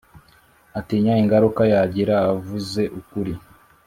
atinya ingaruka yagira avuze ukuri ,